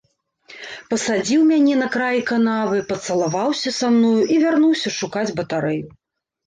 Пасадзіў мяне на краі канавы, пацалаваўся са мною і вярнуўся шукаць батарэю.